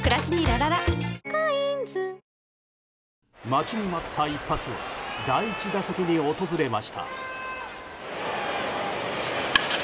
待ちに待った１発は第１打席に訪れました。